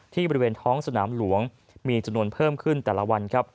บริเวณท้องสนามหลวงมีจำนวนเพิ่มขึ้นแต่ละวันครับ